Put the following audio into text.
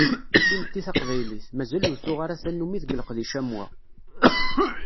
Timetti taqbaylit, mazal ur tuɣ ara tannumi deg leqdic am wa.